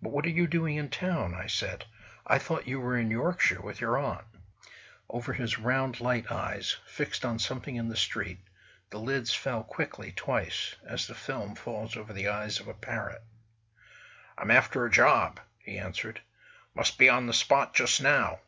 "But what are you doing in town?" I said. "I thought you were in Yorkshire with your aunt." Over his round, light eyes, fixed on something in the street, the lids fell quickly twice, as the film falls over the eyes of a parrot. "I'm after a job," he answered. "Must be on the spot just now."